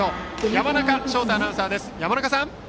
山中翔太アナウンサーです。